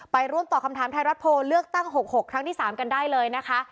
ไปร่วมตอบคำถามไทยรัฐโพลเลือกตั้ง๖๖ครั้งที่๓กันได้เลยนะคะ